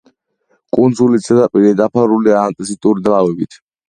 კუნძულის ზედაპირი დაფარულია ანდეზიტური ლავებით.